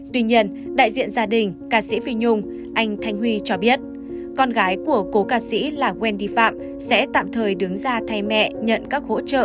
tuy nhiên đại diện gia đình ca sĩ phi nhung anh thanh huy cho biết con gái của cố ca sĩ là wendy phạm sẽ tạm thời đứng ra thay mẹ nhận các hỗ trợ